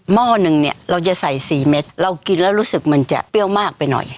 ห้อหนึ่งเนี่ยเราจะใส่๔เม็ดเรากินแล้วรู้สึกมันจะเปรี้ยวมากไปหน่อย